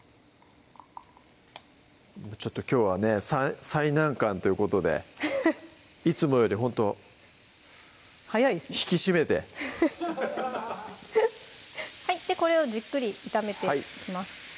ちょっときょうはね最難関ということでいつもよりほんと引き締めてじゃこれをじっくり炒めていきます